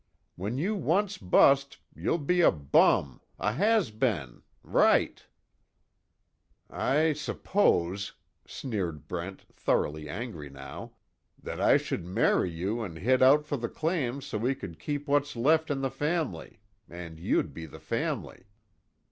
When you once bust, you'll be a bum a has been right." "I suppose," sneered Brent, thoroughly angry now: "that I should marry you and hit out for the claim so we could keep what's left in the family and you'd be the family."